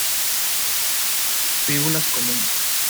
Fíbulas comunes.